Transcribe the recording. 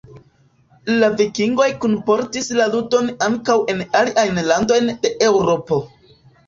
La Vikingoj kunportis la ludon ankaŭ en aliajn landojn de Eŭropo.